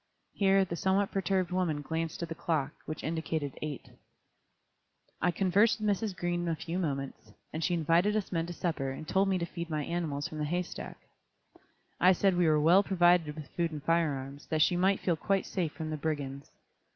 Here the somewhat perturbed woman glanced at the clock, which indicated 8:00. I conversed with Mrs. Green a few moments, and she invited us men to supper and told me to feed my animals from the hay stack. I said we were well provided with food and fire arms, that she might feel quite safe from the brigands.